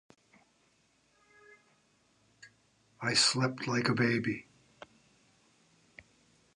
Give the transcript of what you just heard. I slept like a baby.